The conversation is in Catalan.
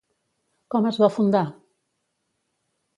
Com es va fundar?